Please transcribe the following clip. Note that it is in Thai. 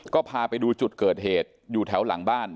ก็พาไปดูจุดเกิดเหตุอยู่แถวหลังบ้าน